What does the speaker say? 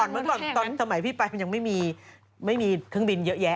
เมื่อก่อนตอนสมัยพี่ไปมันยังไม่มีเครื่องบินเยอะแยะ